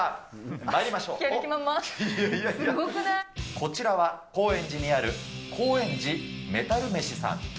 こちらは高円寺にある高円寺メタルめしさん。